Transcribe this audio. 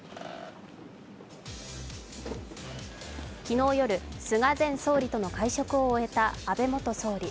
昨日夜、菅前総理との会食を終えた安倍元総理。